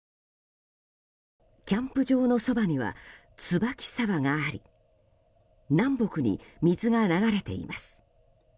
キャンプ場のそばには椿沢があり南北に水が流れています。